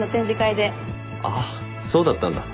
あっそうだったんだ。